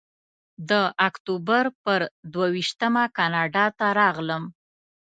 د اکتوبر پر دوه ویشتمه کاناډا ته راغلم.